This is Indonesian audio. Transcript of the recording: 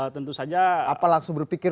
tentu saja langsung berpikir